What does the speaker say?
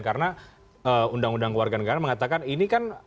karena undang undang kewarganegaraan mengatakan ini kan